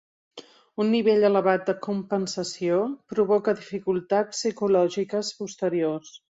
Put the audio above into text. Un nivell elevat de compensació provoca dificultats psicològiques posteriors.